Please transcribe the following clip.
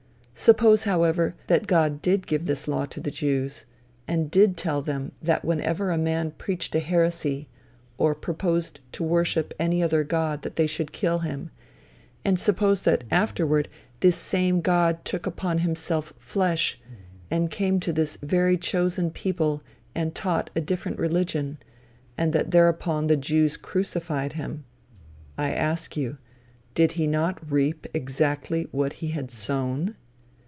Suppose, however, that God did give this law to the Jews, and did tell them that whenever a man preached a heresy, or proposed to worship any other god that they should kill him; and suppose that afterward this same God took upon himself flesh, and came to this very chosen people and taught a different religion, and that thereupon the Jews crucified him; I ask you, did he not reap exactly what he had sown?